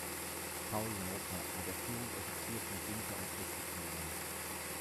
Paul Laufer war der Führungsoffizier von Günter und Christel Guillaume.